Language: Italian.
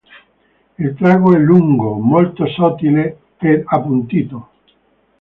Il trago è lungo, molto sottile ed appuntito.